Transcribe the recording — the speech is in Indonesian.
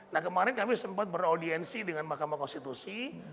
nah kemarin kami sempat beraudiensi dengan mahkamah konstitusi